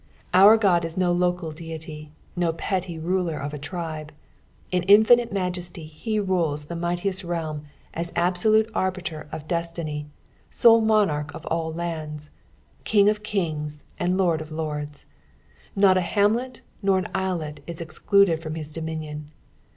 Our God is no local deity, no petty ruler of a tribe ; in infinite majesty he rules the mightiest realm as absolute arbiter of destiny, sole monarch of all lands. King of kings, and Lord of lords. Not a hsmlct or an islet is excluded from his dominion.